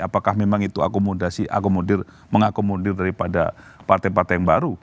apakah memang itu mengakomodir daripada partai partai yang baru